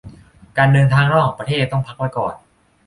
การเดินทางระหว่างประเทศต้องพักไว้ก่อน